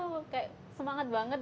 wah kayak semangat banget